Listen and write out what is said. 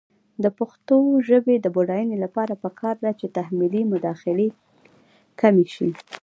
د پښتو ژبې د بډاینې لپاره پکار ده چې تحمیلي مداخلې کمې شي.